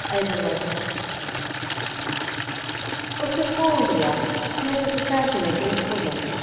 XV OVERLOOKED Of the four on the earth, Smith was the first to make any comment.